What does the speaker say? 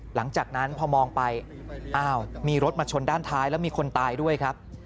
หลังจากนั้นพอมองไปอ้าวมีรถมาชนด้านท้ายแล้วมีคนตายด้วยครับ